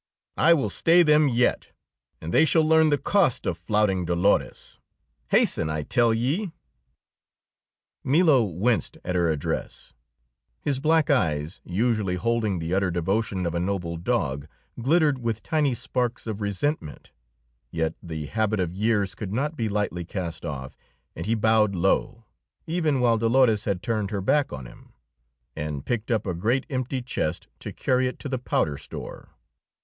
I will stay them yet, and they shall learn the cost of flouting Dolores! Hasten, I tell ye!" Milo winced at her address; his black eyes, usually holding the utter devotion of a noble dog, glittered with tiny sparks of resentment; yet the habit of years could not be lightly cast off, and he bowed low, even while Dolores had turned her back on him, and picked up a great empty chest to carry it to the powder store.